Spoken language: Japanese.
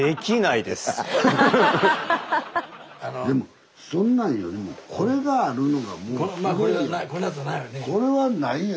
でもそんなんよりもこれがあるいうのがもうすごいやん。